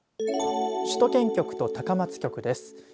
首都圏局と高松局です。